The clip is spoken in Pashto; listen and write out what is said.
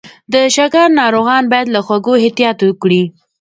د شکر ناروغان باید له خوږو احتیاط وکړي.